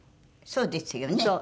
そうですよね？